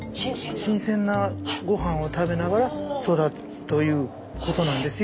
新鮮なごはんを食べながら育つということなんですよ。